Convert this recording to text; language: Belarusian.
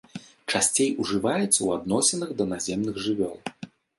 Часцей ужываецца ў адносінах да наземных жывёл.